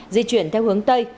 di chuyển theo hướng tây